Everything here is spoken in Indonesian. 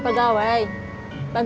karena yang exit reports